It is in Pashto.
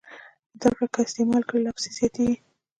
زده کړه که استعمال یې کړئ لا پسې زیاتېږي.